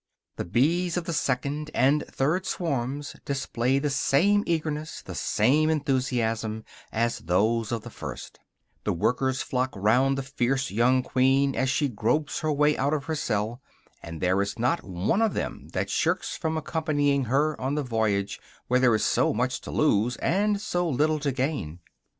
The bees of the second and third swarms display the same eagerness, the same enthusiasm, as those of the first; the workers flock round the fierce young queen, as she gropes her way out of her cell, and there is not one of them that shrinks from accompanying her on the voyage where there is so much to lose and so little to gain.